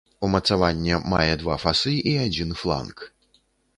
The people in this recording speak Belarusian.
Умацаванне мае два фасы і адзін фланк.